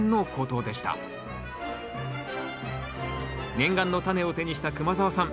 念願のタネを手にした熊澤さん